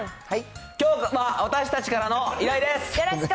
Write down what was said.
きょうは私たちからの依頼です。